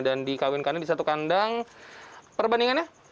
dan dikawinkannya di satu kandang perbandingannya